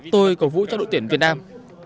tôi cầu vũ cho đội tuyển việt nam